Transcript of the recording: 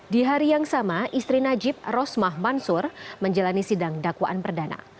di hari yang sama istri najib rosmah mansur menjalani sidang dakwaan perdana